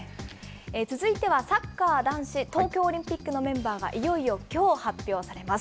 続いてはサッカー男子、東京オリンピックのメンバーがいよいよきょう発表されます。